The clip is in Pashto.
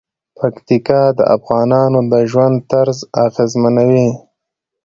پکتیکا د افغانانو د ژوند طرز اغېزمنوي.